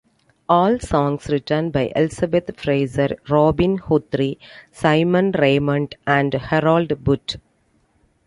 All songs written by Elizabeth Fraser, Robin Guthrie, Simon Raymonde and Harold Budd.